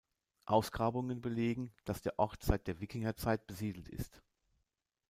Ausgrabungen belegen, dass der Ort seit der Wikingerzeit besiedelt ist.